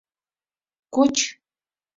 Коч.